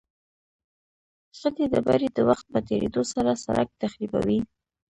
غټې ډبرې د وخت په تېرېدو سره سرک تخریبوي